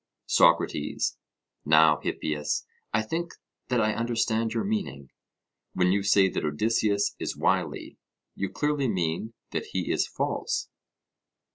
SOCRATES: Now, Hippias, I think that I understand your meaning; when you say that Odysseus is wily, you clearly mean that he is false?